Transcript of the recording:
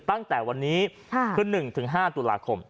ตั้งแต่วันนี้คือ๑๕ตุลาคม